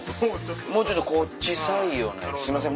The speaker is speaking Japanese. もうちょっとこう小っさいようなすいません。